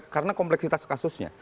karena kompleksitas kasusnya